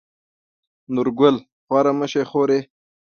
نورګل: خواره مه شې خورې.